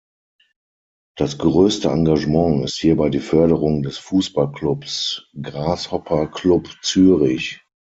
Das größte Engagement ist hierbei die Förderung des Fußballclubs Grasshopper Club Zürich.